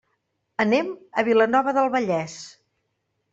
Anem a Vilanova del Vallès.